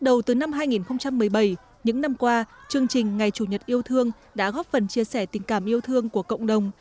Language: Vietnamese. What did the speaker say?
bắt đầu từ năm hai nghìn một mươi bảy những năm qua chương trình ngày chủ nhật yêu thương đã góp phần chia sẻ tình cảm yêu thương của cộng đồng